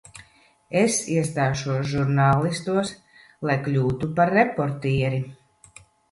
Es iestāšos žurnālistos, lai kļūtu par reportieri.